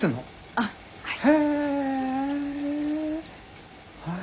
あっはい。